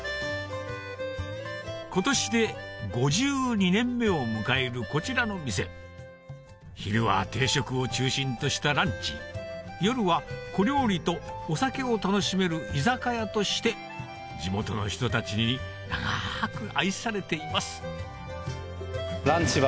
今年で５２年目を迎えるこちらの店昼は定食を中心としたランチ夜は小料理とお酒を楽しめる居酒屋として地元の人たちに長く愛されています